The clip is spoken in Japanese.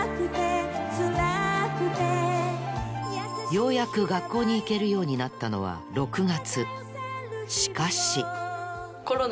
ようやく学校に行けるようになったのは６月